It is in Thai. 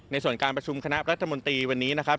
ส่วนการประชุมคณะรัฐมนตรีวันนี้นะครับ